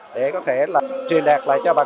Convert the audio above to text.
để có thể truyền đạt lại cho bạn